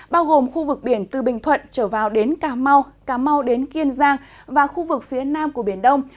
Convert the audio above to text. bao gồm khu vực biển từ bình thuận trở vào đến cà mau cà mau đến kiên giang và khu vực phía nam của biển đông